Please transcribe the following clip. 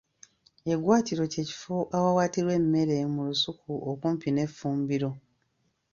Eggwaatiro kye kifo awawaatirwa emmere mu lusuku okumpi n’effumbiro.